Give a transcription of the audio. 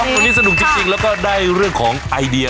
วันนี้สนุกจริงแล้วก็ได้เรื่องของไอเดีย